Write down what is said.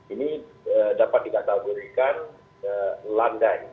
ini dapat tidak taburkan landai